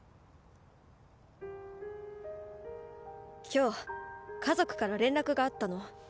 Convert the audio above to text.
今日家族から連絡があったの。